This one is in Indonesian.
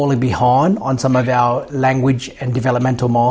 dan kita masih mendapatkan banyak kekurangan rati dengar di sistem kebencian yang terpengaruh